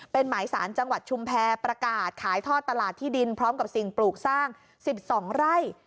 เป็นหมายสารจังหวัดชุมแพรประกาศขายท่อตลาดที่ดินพร้อมกับสิ่งปลูกสร้าง๑๒ไร่